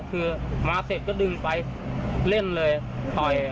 คือมาเสร็จก็ดึงไปเล่นเลยต่อย